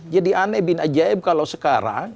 jadi aneh bin ajaib kalau sekarang